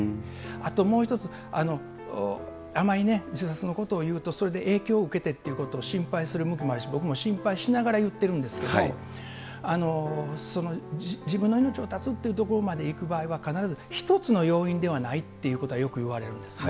あともう一つ、あまりね、自殺のことを言うと、それで影響を受けてということを心配する向きもあるし、僕も心配しながら言ってるんですけども、自分の命を絶つというところまでいく場合は必ず１つの要因ではないということはよくいわれるんですね。